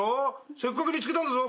せっかく見つけたんだぞ。